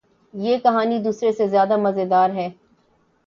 یہ کہانی دوسرے سے زیادو مزیدار ہے